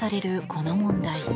この問題。